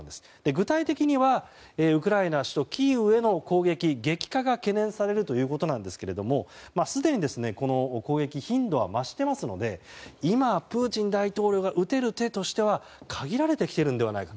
具体的にはウクライナ首都キーウへの攻撃激化が懸念されるということですがすでに攻撃頻度は増していますので今、プーチン大統領が打てる手としては限られてきているのではないか。